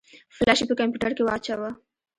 فلش يې په کمپيوټر کې واچوه.